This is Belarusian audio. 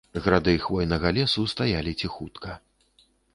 Грады хвойнага лесу стаялі ціхутка.